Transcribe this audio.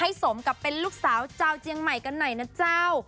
ให้สมกับเป็นลูกสาวเจ้าเจียงใหม่กันไหนนะเจ้า